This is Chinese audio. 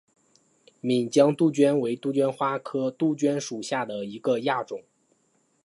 岷江杜鹃为杜鹃花科杜鹃属下的一个亚种。